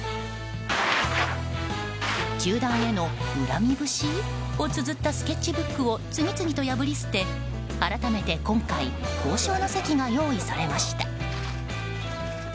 球団への恨み節？をつづったスケッチブックを次々と破り捨て、改めて今回交渉の席が用意されました。